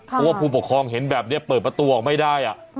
เพราะว่าผู้ปกครองเห็นแบบนี้เปิดประตูออกไม่ได้